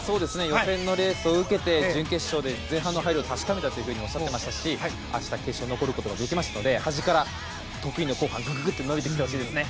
予選のレースを受けて準決勝で前半の入りを確かめたとおっしゃってましたし明日、決勝に残ることができましたから端から得意の後半グググッと伸びてきてほしいですね。